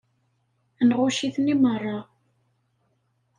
Nɣucc-iten i meṛṛa.